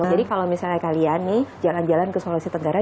jadi kalau misalnya kalian nih jalan jalan ke sulawesi tenggara